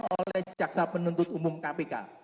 oleh jaksa penuntut umum kpk